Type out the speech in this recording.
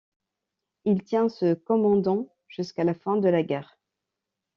Il tient ce commandant jusqu'à la fin de la guerre.